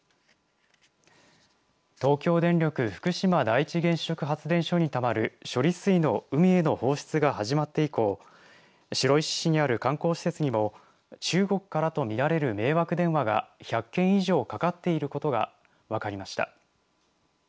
東京電力福島第一原子力発電所にたまる処理水の海への放出が始まって以降白石市にある観光施設にも中国からと見られる迷惑電話が１００件以上かかっていることが分かりました。